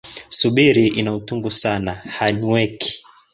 Subiri ina utungu sana hainweki